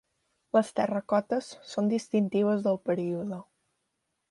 Les terracotes són distintives del període.